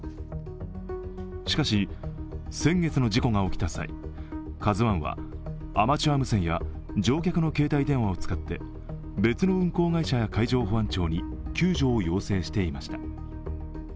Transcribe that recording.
しかし、先月の事故が起きた際、「ＫＡＺＵⅠ」はアマチュア無線や乗客の携帯電話を使って別の運航会社や海上保安庁に救助を要請していました。